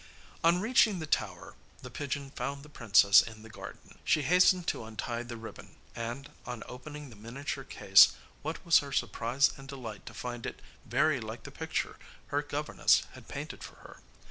On reaching the tower the pigeon found the princess in the garden. She hastened to untie the ribbon, and on opening the miniature case what was her surprise and delight to find it very like the picture her governess had painted for her.